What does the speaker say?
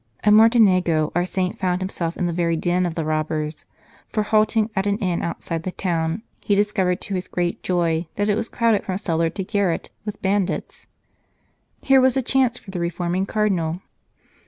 At Martinego our saint found himself in the very den of the robbers ; for, halting at an inn outside the town, he discovered to his great joy that it was crowded from cellar to garret with banditti. Here was a chance for the reforming Cardinal.